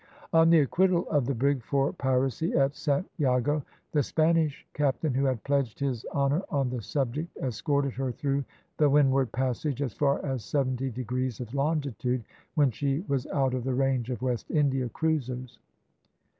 On the acquittal of the brig for piracy at Saint Jago, the Spanish captain who had pledged his honour on the subject escorted her through the windward passage as far as seventy degrees of longitude, when she was out of the range of West India cruisers.